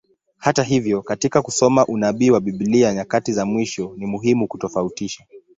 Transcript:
Hata hivyo, katika kusoma unabii wa Biblia nyakati za mwisho, ni muhimu kutofautisha.